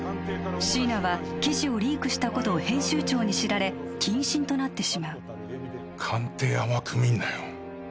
椎名は記事をリークしたことを編集長に知られ謹慎となってしまう官邸甘く見んなよ